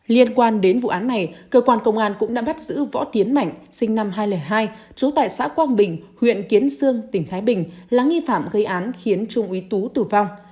liên quan đến vụ án này cơ quan công an cũng đã bắt giữ võ tiến mạnh sinh năm hai nghìn hai trú tại xã quang bình huyện kiến sương tỉnh thái bình là nghi phạm gây án khiến trung úy tú tử vong